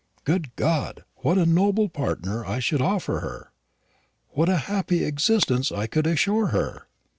Good God, what a noble partner I should offer her! what a happy existence I could assure her!"